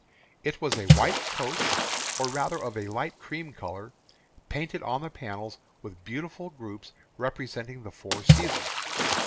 It was a white coach, or rather of a light cream colour, painted on the panels with beautiful groups representing the four seasons.